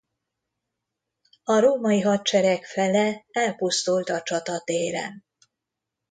A római hadsereg fele elpusztult a csatatéren.